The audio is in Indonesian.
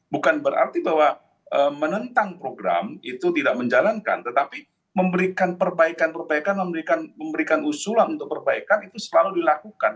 bukan berarti bahwa menentang program itu tidak menjalankan tetapi memberikan perbaikan perbaikan memberikan usulan untuk perbaikan itu selalu dilakukan